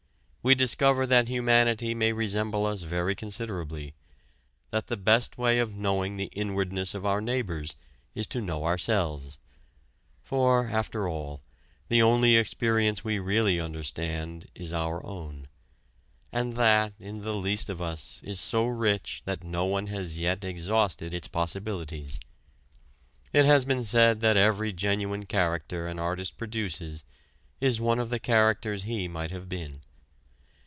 We discover that humanity may resemble us very considerably that the best way of knowing the inwardness of our neighbors is to know ourselves. For after all, the only experience we really understand is our own. And that, in the least of us, is so rich that no one has yet exhausted its possibilities. It has been said that every genuine character an artist produces is one of the characters he might have been.